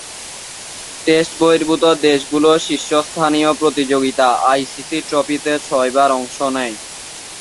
Test বহির্ভূত দেশগুলোর শীর্ষস্থানীয় প্রতিযোগিতা আইসিসি ট্রফিতে ছয়বার অংশ নেয়।